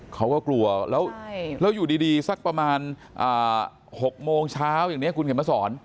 เขาก็กลัวแล้วอยู่ดีสักประมาณ๖โมงเช้าอย่างนี้คุณเข็มมาสอน